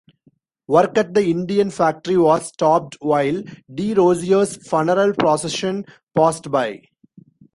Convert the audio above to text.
Work at the Indian factory was stopped while DeRosier's funeral procession passed by.